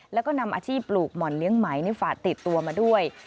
แล้วก็นำอาชีพปลูกหม่อนเลี้ยงไหมฝากติดตัวมาด้วย